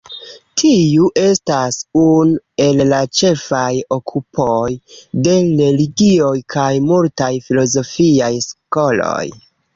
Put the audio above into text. Tiu estas unu el la ĉefaj okupoj de religioj kaj multaj filozofiaj skoloj.